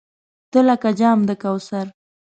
تۀ لکه جام د کوثر !